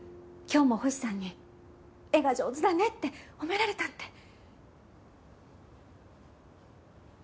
今日も星さんに絵が上手だねって褒められたって。